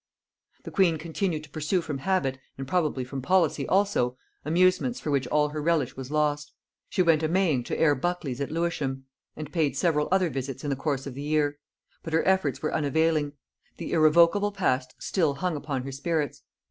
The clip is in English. The queen continued to pursue from habit, and probably from policy also, amusements for which all her relish was lost. She went a maying to Air. Buckley's at Lewisham, and paid several other visits in the course of the year; but her efforts were unavailing; the irrevocable past still hung upon her spirits.